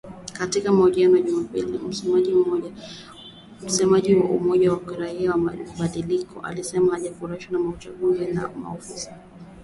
Katika mahojiano ya Jumapili, msemaji wa 'Umoja wa Kiraia kwa Mabadiliko' alisema hawajafurahishwa na upendeleo wa tume ya uchaguzi na polisi